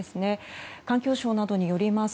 環境省などによります